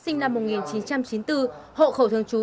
sinh năm một nghìn chín trăm chín mươi bốn hộ khẩu thương chú